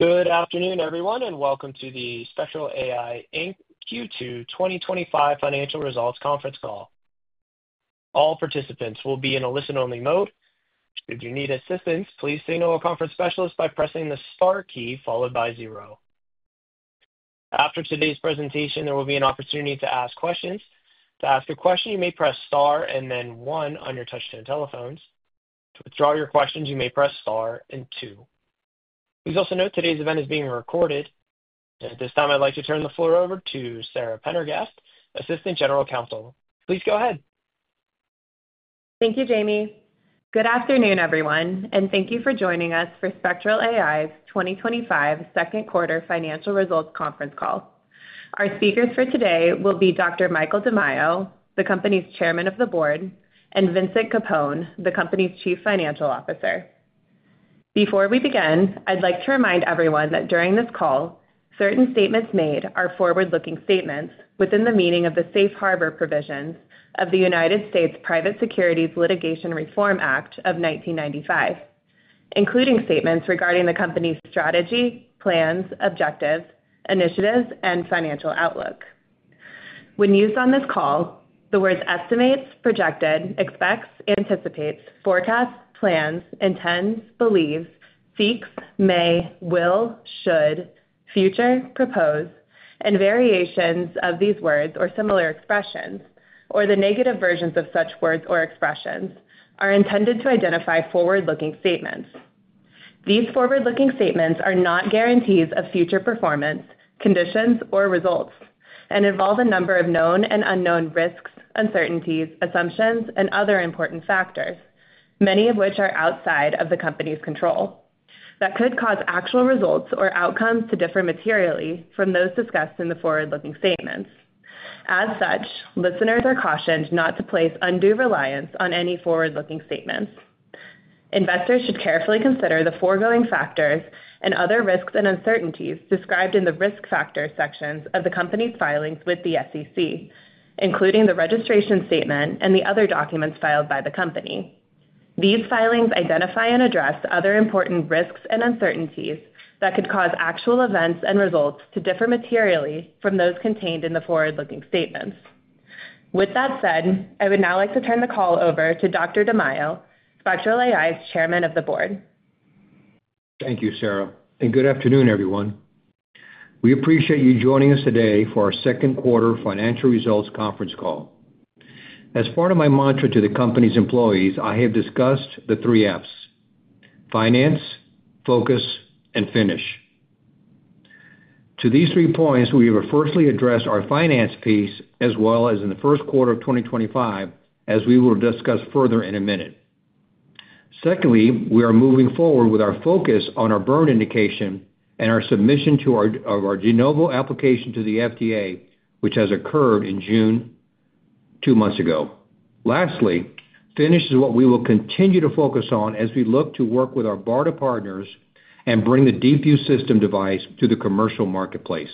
Good afternoon, everyone, and welcome to the Spectral AI, Inc Q2 2025 Financial Results Conference Call. All participants will be in a listen-only mode. If you need assistance, please signal a conference specialist by pressing the Star key followed by zero. After today's presentation, there will be an opportunity to ask questions. To ask a question, you may press Star and then one on your touchscreen telephones. To withdraw your questions, you may press Star and two. Please also note today's event is being recorded. At this time, I'd like to turn the floor over to Sara Prendergast, Assistant General Counsel. Please go ahead. Thank you, Jamie. Good afternoon, everyone, and thank you for joining us for Spectral AI's 2025 Second Quarter Financial Results Conference Call. Our speakers for today will be Dr. Michael DiMaio, the company's Chairman of the Board, and Vincent Capone, the company's Chief Financial Officer. Before we begin, I'd like to remind everyone that during this call, certain statements made are forward-looking statements within the meaning of the Safe Harbor provisions of the U.S. Private Securities Litigation Reform Act of 1995, including statements regarding the company's strategy, plans, objectives, initiatives, and financial outlook. When used on this call, the words estimates, projected, expects, anticipates, forecasts, plans, intends, believes, seeks, may, will, should, future, propose, and variations of these words or similar expressions, or the negative versions of such words or expressions, are intended to identify forward-looking statements. These forward-looking statements are not guarantees of future performance, conditions, or results, and involve a number of known and unknown risks, uncertainties, assumptions, and other important factors, many of which are outside of the company's control. That could cause actual results or outcomes to differ materially from those discussed in the forward-looking statements. As such, listeners are cautioned not to place undue reliance on any forward-looking statements. Investors should carefully consider the foregoing factors and other risks and uncertainties described in the risk factors sections of the company's filings with the SEC, including the registration statement and the other documents filed by the company. These filings identify and address other important risks and uncertainties that could cause actual events and results to differ materially from those contained in the forward-looking statements. With that said, I would now like to turn the call over to Dr. DiMaio, Spectral AI's Chairman of the Board. Thank you, Sara, and good afternoon, everyone. We appreciate you joining us today for our Second Quarter Financial Results Conference Call. As part of my mantra to the company's employees, I have discussed the three Fs: finance, focus, and finish. To these three points, we have firstly addressed our finance piece, as well as in the first quarter of 2025, as we will discuss further in a minute. Secondly, we are moving forward with our focus on our burn indication and our submission of our De Novo application to the FDA, which has occurred in June, two months ago. Lastly, Finish is what we will continue to focus on as we look to work with our BARDA partners and bring the DeepView System device to the commercial marketplace.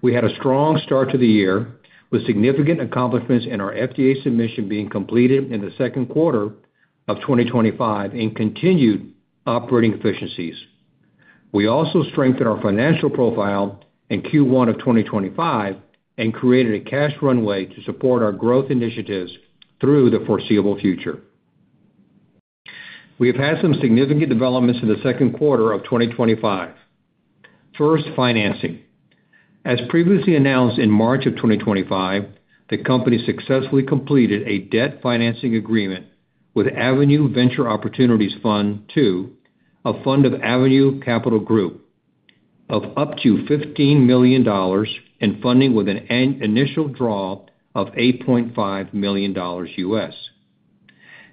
We had a strong start to the year with significant accomplishments in our FDA submission being completed in the second quarter of 2025 and continued operating efficiencies. We also strengthened our financial profile in Q1 of 2025 and created a cash runway to support our growth initiatives through the foreseeable future. We have had some significant developments in the second quarter of 2025. First, financing. As previously announced in March of 2025, the company successfully completed a debt financing agreement with Avenue Venture Opportunities Fund II, a fund of Avenue Capital Group, of up to $15 million in funding with an initial draw of $8.5 million.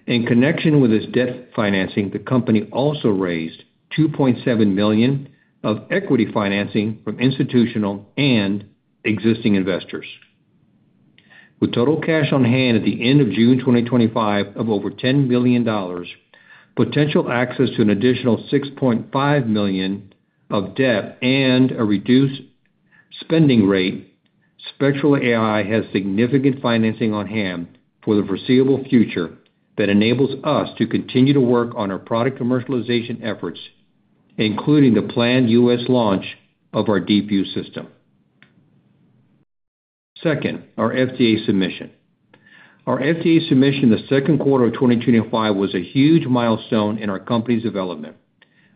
In connection with this debt financing, the company also raised $2.7 million of equity financing from institutional and existing investors. With total cash on hand at the end of June 2025 of over $10 million, potential access to an additional $6.5 million of debt, and a reduced spending rate, Spectral AI has significant financing on hand for the foreseeable future that enables us to continue to work on our product commercialization efforts, including the planned U.S. launch of our DeepView System. Second, our FDA submission. Our FDA submission in the second quarter of 2025 was a huge milestone in our company's development.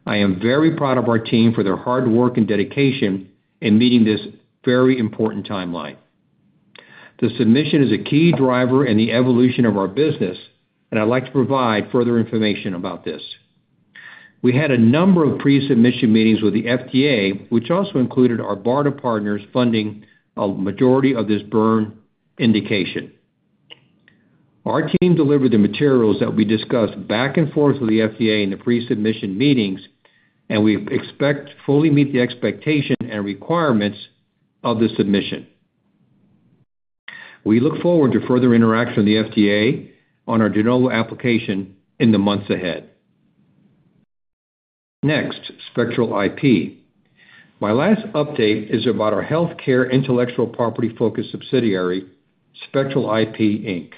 I am very proud of our team for their hard work and dedication in meeting this very important timeline. The submission is a key driver in the evolution of our business, and I'd like to provide further information about this. We had a number of pre-submission meetings with the FDA, which also included our BARDA partners funding a majority of this burn indication. Our team delivered the materials that we discussed back and forth with the FDA in the pre-submission meetings, and we expect to fully meet the expectations and requirements of the submission. We look forward to further interaction with the FDA on our De Novo application in the months ahead. Next, Spectral IP. My last update is about our healthcare intellectual property-focused subsidiary, Spectral IP, Inc.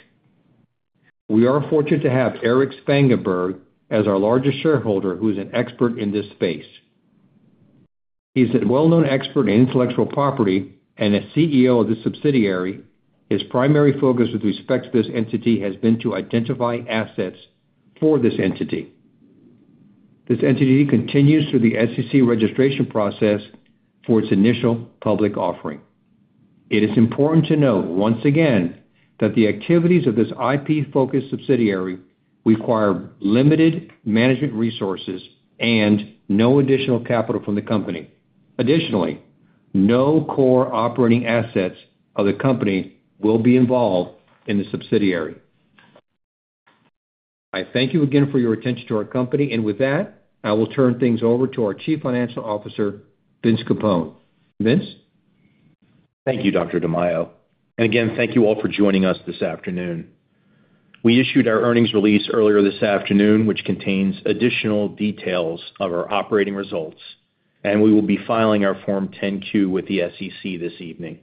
We are fortunate to have Erich Spangenberg as our largest shareholder, who is an expert in this space. He is a well-known expert in intellectual property and a CEO of this subsidiary. His primary focus with respect to this entity has been to identify assets for this entity. This entity continues through the SEC registration process for its Initial Public Offering. It is important to note once again that the activities of this IP-focused subsidiary require limited management resources and no additional capital from the company. Additionally, no core operating assets of the company will be involved in the subsidiary. I thank you again for your attention to our company, and with that, I will turn things over to our Chief Financial Officer, Vince Capone. Vince. Thank you, Dr. DiMaio. Thank you all for joining us this afternoon. We issued our earnings release earlier this afternoon, which contains additional details of our operating results, and we will be filing our Form 10-Q with the SEC this evening.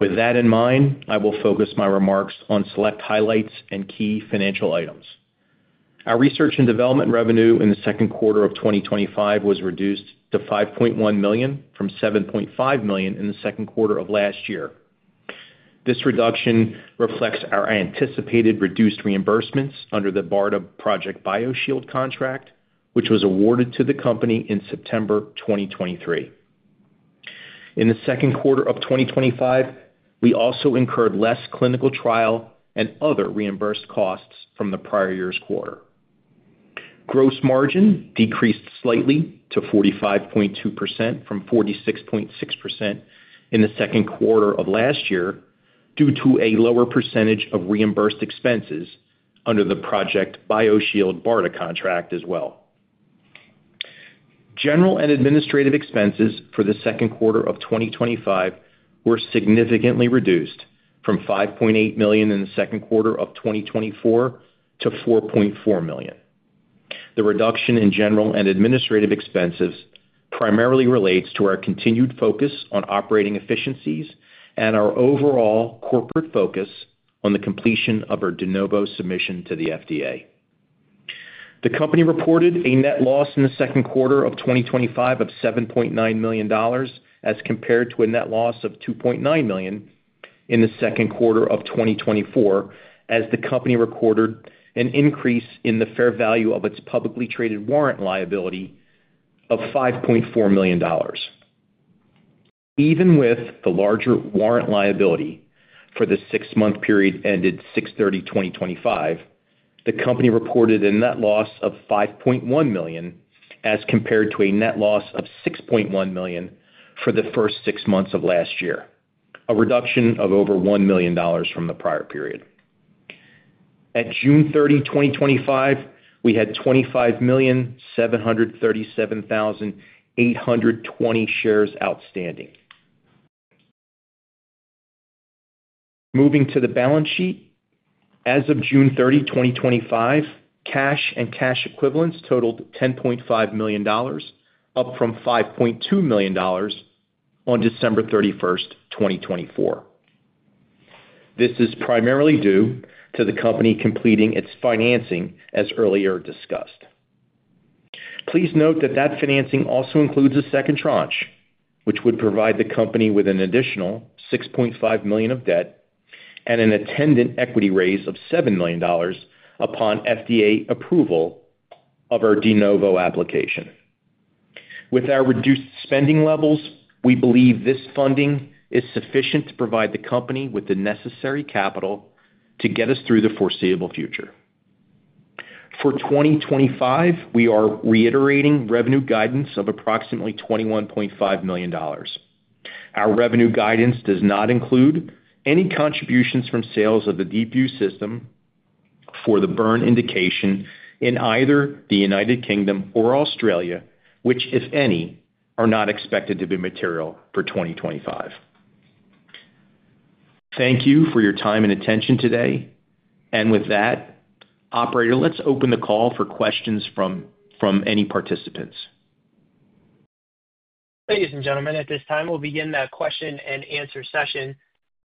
With that in mind, I will focus my remarks on select highlights and key financial items. Our research and development revenue in the second quarter of 2025 was reduced to $5.1 million from $7.5 million in the second quarter of last year. This reduction reflects our anticipated reduced reimbursements under the BARDA Project BioShield contract, which was awarded to the company in September 2023. In the second quarter of 2025, we also incurred less clinical trial and other reimbursed costs from the prior year's quarter. Gross margin decreased slightly to 45.2% from 46.6% in the second quarter of last year due to a lower percentage of reimbursed expenses under the Project BioShield BARDA contract as well. General and administrative expenses for the second quarter of 2025 were significantly reduced from $5.8 million in the second quarter of 2024 to $4.4 million. The reduction in general and administrative expenses primarily relates to our continued focus on operating efficiencies and our overall corporate focus on the completion of our De Novo submission to the FDA. The company reported a net loss in the second quarter of 2025 of $7.9 million as compared to a net loss of $2.9 million in the second quarter of 2024, as the company recorded an increase in the fair value of its publicly traded warrant liability of $5.4 million. Even with the larger warrant liability for the six-month period ended 6/30/2025, the company reported a net loss of $5.1 million as compared to a net loss of $6.1 million for the first six months of last year, a reduction of over $1 million from the prior period. At June 30, 2025, we had $25.73782 million shares outstanding. Moving to the balance sheet, as of June 30, 2025, cash and cash equivalents totaled $10.5 million, up from $5.2 million on December 31, 2024. This is primarily due to the company completing its financing, as earlier discussed. Please note that financing also includes a second tranche, which would provide the company with an additional $6.5 million of debt and an attendant equity raise of $7 million upon FDA approval of our De Novo application. With our reduced spending levels, we believe this funding is sufficient to provide the company with the necessary capital to get us through the foreseeable future. For 2025, we are reiterating revenue guidance of approximately $21.5 million. Our revenue guidance does not include any contributions from sales of the DeepView System for the burn indication in either the United Kingdom or Australia, which, if any, are not expected to be material for 2025. Thank you for your time and attention today. With that, operator, let's open the call for questions from any participants. Ladies and gentlemen, at this time, we'll begin that question-and-answer session.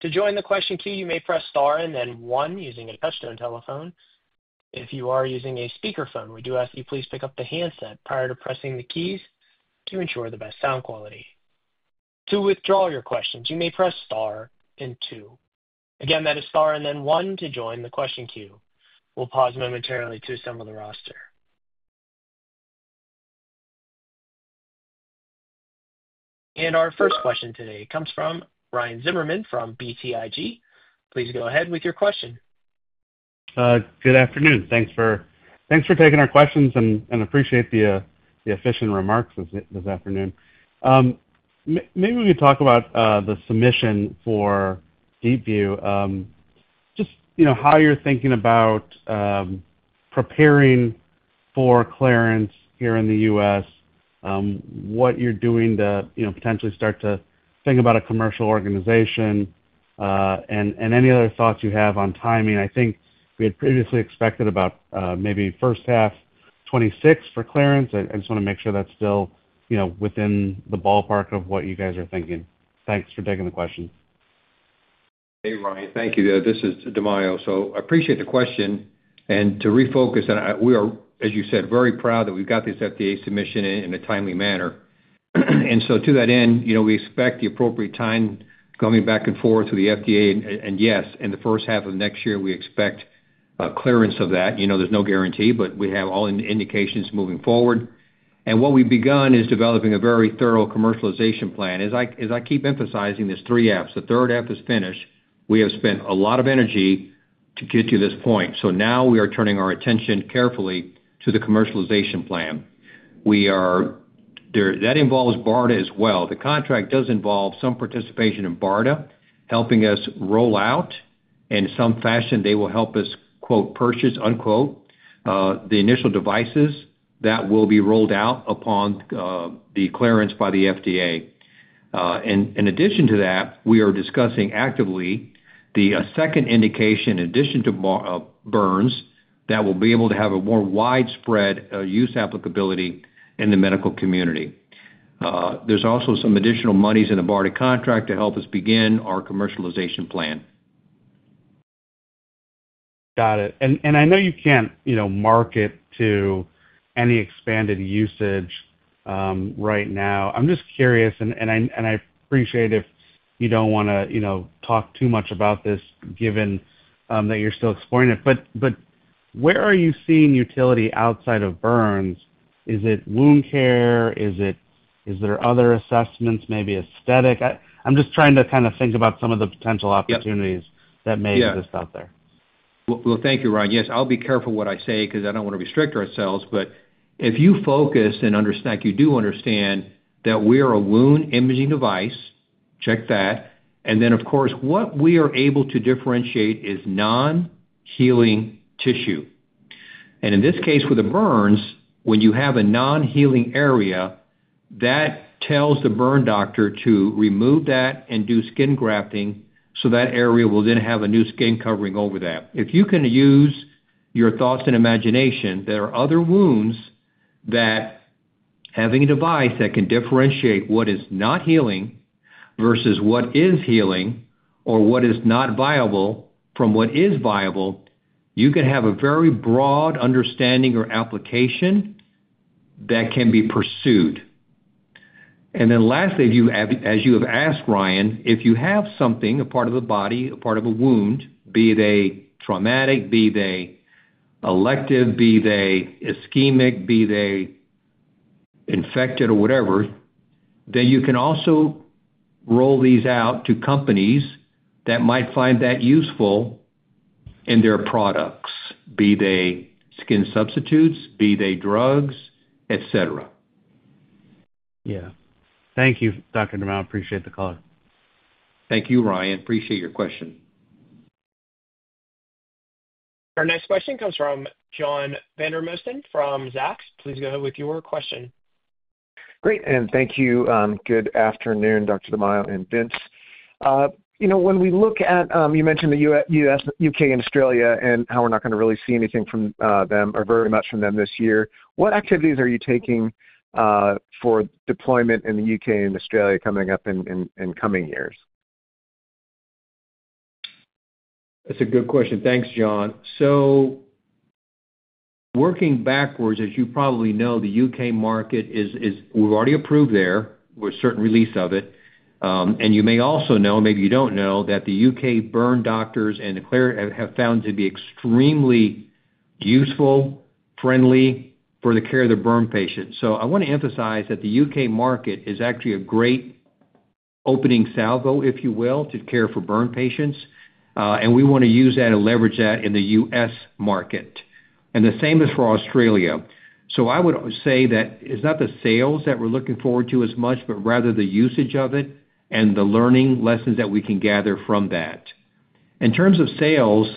To join the question queue, you may press Star and then one using a touch-tone telephone. If you are using a speakerphone, we do ask you to please pick up the handset prior to pressing the keys to ensure the best sound quality. To withdraw your questions, you may press Star and two. Again, that is Star and then one to join the question queue. We'll pause momentarily to assemble the roster. Our first question today comes from Ryan Zimmerman from BTIG. Please go ahead with your question. Good afternoon. Thanks for taking our questions and appreciate the efficient remarks this afternoon. Maybe we could talk about the submission for DeepView. How you're thinking about preparing for clearance here in the U.S. what you're doing to potentially start to think about a commercial organization, and any other thoughts you have on timing. I think we had previously expected about maybe first half, 2026, for clearance. I just want to make sure that's still within the ballpark of what you guys are thinking. Thanks for taking the question. Hey, Ryan. Thank you. This is DiMaio. I appreciate the question. To refocus, we are, as you said, very proud that we've got this FDA submission in a timely manner. To that end, we expect the appropriate time coming back and forth with the FDA. Yes, in the first half of next year, we expect clearance of that. There's no guarantee, but we have all indications moving forward. What we've begun is developing a very thorough commercialization plan. As I keep emphasizing, there's three Fs. The third F is finish. We have spent a lot of energy to get to this point. Now we are turning our attention carefully to the commercialization plan. That involves BARDA as well. The contract does involve some participation in BARDA, helping us roll out. In some fashion, they will help us "purchase" the initial devices that will be rolled out upon the clearance by the FDA. In addition to that, we are discussing actively the second indication, in addition to burns, that will be able to have a more widespread use applicability in the medical community. There's also some additional monies in the BARDA contract to help us begin our commercialization plan. Got it. I know you can't market to any expanded usage right now. I'm just curious, and I appreciate if you don't want to talk too much about this, given that you're still exploring it. Where are you seeing utility outside of burns? Is it wound care? Is it other assessments, maybe aesthetic? I'm just trying to think about some of the potential opportunities that may exist out there. Thank you, Ryan. I'll be careful what I say because I don't want to restrict ourselves. If you focus and understand, you do understand that we are a wound imaging device. Check that. Of course, what we are able to differentiate is non-healing tissue. In this case, with the burns, when you have a non-healing area, that tells the burn doctor to remove that and do skin grafting so that area will then have a new skin covering over that. If you can use your thoughts and imagination, there are other wounds that, having a device that can differentiate what is not healing versus what is healing or what is not viable from what is viable, you can have a very broad understanding or application that can be pursued. Lastly, as you have asked, Ryan, if you have something, a part of the body, a part of a wound, be they traumatic, be they elective, be they ischemic, be they infected or whatever, you can also roll these out to companies that might find that useful in their products, be they skin substitutes, be they drugs, etc. Yeah, thank you, Dr. DiMaio. I appreciate the call. Thank you, Ryan. Appreciate your question. Our next question comes from John Vandermosten from Zacks. Please go ahead with your question. Great, and thank you. Good afternoon, Dr. DiMaio and Vince. You know, when we look at, you mentioned the U.S. United Kingdom, and Australia, and how we're not going to really see anything from them or very much from them this year. What activities are you taking for deployment in the U.K. and Australia coming up in coming years? That's a good question. Thanks, John. Working backwards, as you probably know, the U.K. market is, we've already approved there with certain release of it. You may also know, maybe you don't know, that the U.K. burn doctors have found it to be extremely useful, friendly for the care of their burn patients. I want to emphasize that the U.K. market is actually a great opening salvo, if you will, to care for burn patients. We want to use that and leverage that in the U.S. market. The same is for Australia. I would say that it's not the sales that we're looking forward to as much, but rather the usage of it and the learning lessons that we can gather from that. In terms of sales,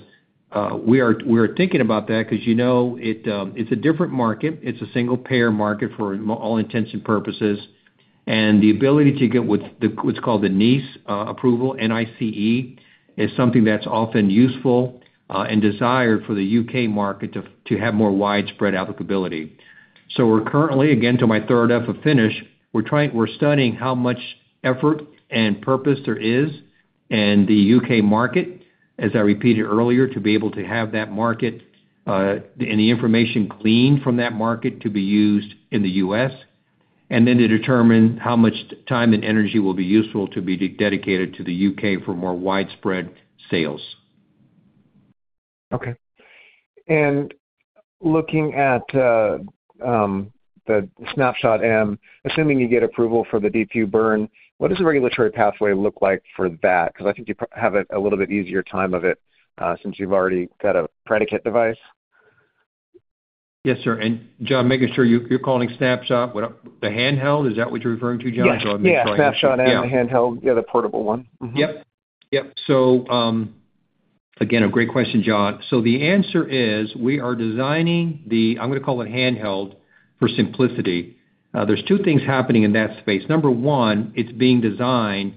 we are thinking about that because, you know, it's a different market. It's a single-payer market for all intents and purposes. The ability to get what's called the NICE approval, NICE, is something that's often useful and desired for the U.K. market to have more widespread applicability. We're currently, again, to my third F of Finish, studying how much effort and purpose there is in the U.K. market, as I repeated earlier, to be able to have that market and the information gleaned from that market to be used in the U.S. and then to determine how much time and energy will be useful to be dedicated to the U.K. for more widespread sales. Okay. Looking at the Snapshot M, assuming you get approval for the DeepView burn, what does the regulatory pathway look like for that? I think you have a little bit easier time of it since you've already got a predicate device. Yes, sir. John, making sure you're calling Snapshot the handheld. Is that what you're referring to, John? Yes. Yeah, Snapshot M, the handheld, yeah, the portable one. Yep. Yep. A great question, John. The answer is we are designing the, I'm going to call it handheld for simplicity. There are two things happening in that space. Number one, it's being designed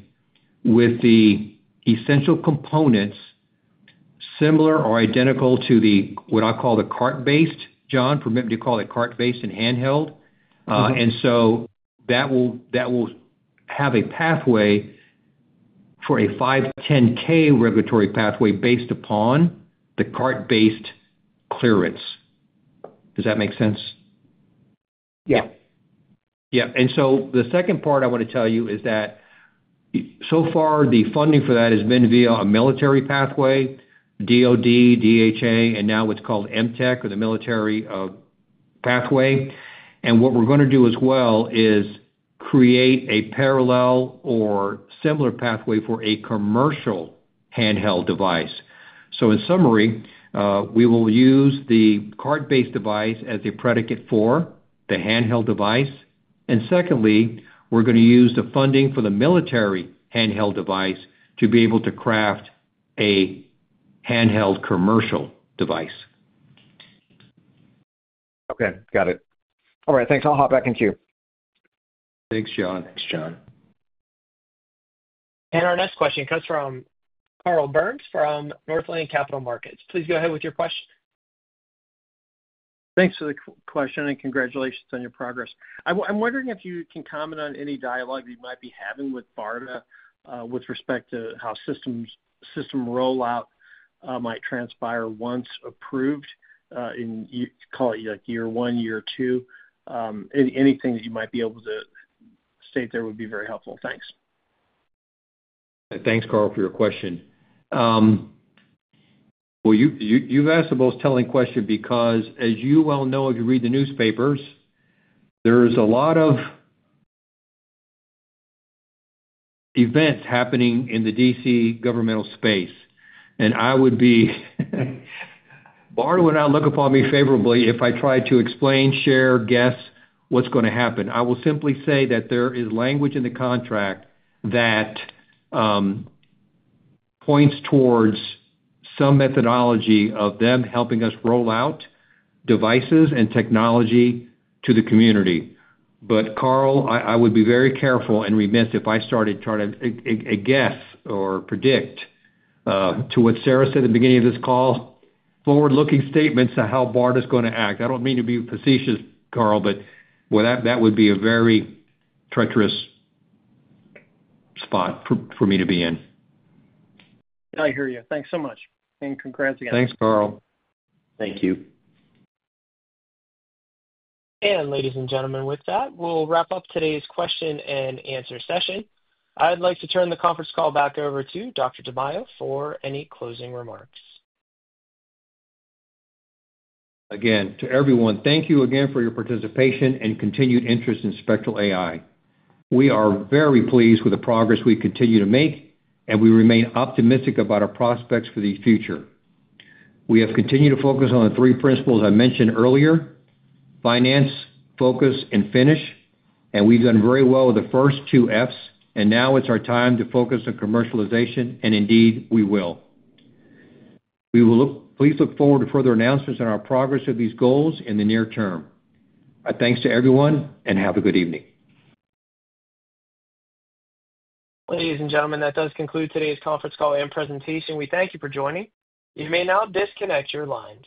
with the essential components similar or identical to what I call the cart-based. John, permit me to call it cart-based and handheld. That will have a pathway for a 510(k) regulatory pathway based upon the cart-based clearance. Does that make sense? Yeah. The second part I want to tell you is that so far, the funding for that has been via a military pathway, DoD, DHA, and now what's called MTEC or the military pathway. What we're going to do as well is create a parallel or similar pathway for a commercial handheld device. In summary, we will use the cart-based device as a predicate for the handheld device, and we're going to use the funding for the military handheld device to be able to craft a handheld commercial device. Okay. Got it. All right. Thanks. I'll hop back in too. Thanks, John. Thanks, John. Our next question comes from Carl Byrnes from Northland Capital Markets. Please go ahead with your question. Thanks for the question and congratulations on your progress. I'm wondering if you can comment on any dialogue you might be having with BARDA with respect to how system rollout might transpire once approved, in, you call it, like year one, year two. Anything that you might be able to state there would be very helpful. Thanks. Thanks, Carl, for your question. You've asked the most telling question because, as you well know, if you read the newspapers, there's a lot of events happening in the D.C. governmental space. I would say BARDA would not look upon me favorably if I tried to explain, share, or guess what's going to happen. I will simply say that there is language in the contract that points towards some methodology of them helping us roll out devices and technology to the community. Carl, I would be very careful and remiss if I started trying to guess or predict, to what Sarah said at the beginning of this call, forward-looking statements of how BARDA is going to act. I don't mean to be facetious, Carl, but that would be a very treacherous spot for me to be in. Yeah, I hear you. Thanks so much. Congrats again. Thanks, Carl. Thank you. Ladies and gentlemen, with that, we'll wrap up today's question-and-answer session. I'd like to turn the conference call back over to Dr. DiMaio for any closing remarks. Again, to everyone, thank you again for your participation and continued interest in Spectral AI. We are very pleased with the progress we continue to make, and we remain optimistic about our prospects for the future. We have continued to focus on the three principles I mentioned earlier: finance, focus, and finish. We've done very well with the first two Fs. Now it's our time to focus on commercialization, and indeed, we will. Please look forward to further announcements on our progress of these goals in the near term. Thanks to everyone, and have a good evening. Ladies and gentlemen, that does conclude today's conference call and presentation. We thank you for joining. You may now disconnect your lines.